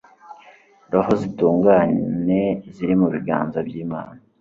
roho z'intungane ziri mu biganza by'imana